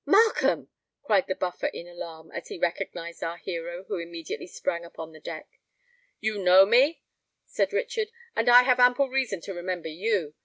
"Markham!" cried the Buffer, in alarm, as he recognised our hero who immediately sprang upon the deck. "You know me?" said Richard: "and I have ample reason to remember you.